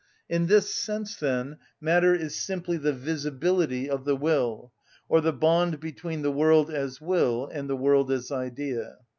In this sense, then, matter is simply the visibility of the will, or the bond between the world as will and the world as idea.